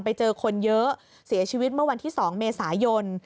ไปเจอคนเยอะเสียชีวิตเมื่อวันที่๒เมษายน